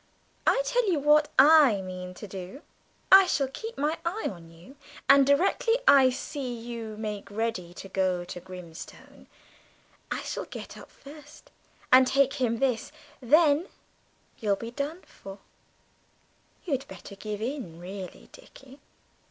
"I tell you what I mean to do; I shall keep my eye on you, and directly I see you making ready to go to Grimstone, I shall get up first and take him this ... then you'll be done for. You'd better give in, really, Dickie!"